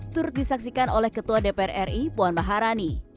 turut disaksikan oleh ketua dpr ri puan maharani